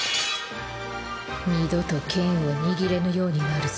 二度と剣を握れぬようになるぞ。